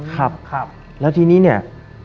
ครับแล้วทีนี้เนี่ย